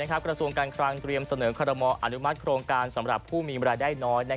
กระทรวงการคลังเตรียมเสนอคอรมออนุมัติโครงการสำหรับผู้มีเวลาได้น้อย